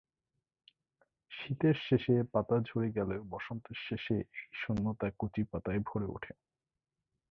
শীতের শেষে পাতা ঝরে গেলেও বসন্তের শেষে এই শূন্যতা কচি পাতায় ভরে উঠে।